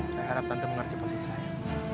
saya harap tante mengerti posisi saya